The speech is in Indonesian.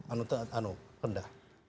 anu tengah anu rendah